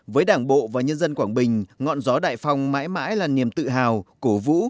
với đảng bộ và nhân dân quảng bình ngọn gió đại phong mãi mãi là niềm tự hào cổ vũ